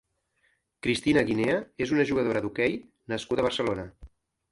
Cristina Guinea és una jugadora d'hoquei nascuda a Barcelona.